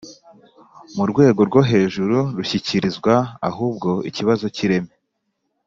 mu Rwego rwo hejuru rushyikirizwa, ahubwo ikibazo cy’ireme